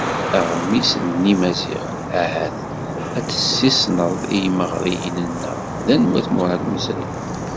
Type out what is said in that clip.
Aɣmis n Yimaziɣen: Ahat ad tessisneḍ i yimeɣriyen-nneɣ d anwa-t Muṛad Meẓri?